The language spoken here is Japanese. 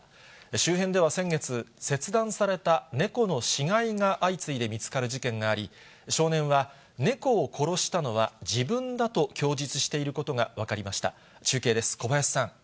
周辺では先月、切断された猫の死骸が相次いで見つかる事件があり、少年は猫を殺したのは、自分だと供述していることが分かりました。